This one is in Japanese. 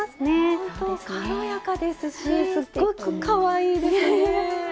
ほんと軽やかですしすごくかわいいですね。